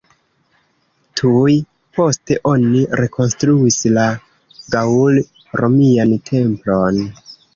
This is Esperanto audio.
Tuj poste oni rekonstruis la gaŭl-romian templon.